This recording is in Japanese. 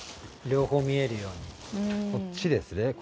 両方見えるようにうんこっちですね